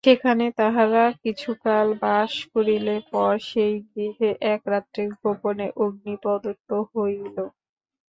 সেখানে তাঁহারা কিছুকাল বাস করিলে পর সেই গৃহে এক রাত্রে গোপনে অগ্নি প্রদত্ত হইল।